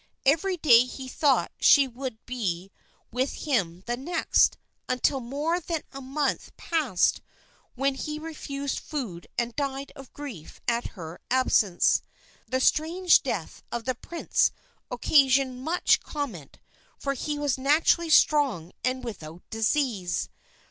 Every day he thought she would be with him the next, until more than a month passed, when he refused food and died of grief at her absence. The strange death of the prince occasioned much comment, for he was naturally strong and without disease.